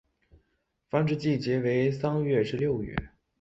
繁殖季节为三月至六月。